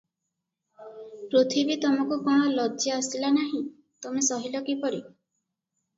ପୃଥିବୀ ତମକୁ କଣ ଲଜ୍ଜା ଆସିଲା ନାହିଁ, ତମେ ସହିଲ କିପରି?